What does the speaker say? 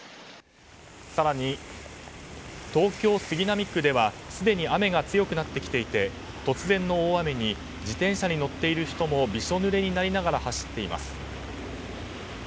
更に、東京・杉並区ではすでに雨が強くなってきていて突然の大雨に自転車に乗っている人もびしょぬれになりながら走っています。